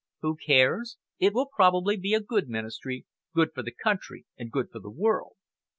Who cares? It will probably be a good ministry good for the country and good for the world.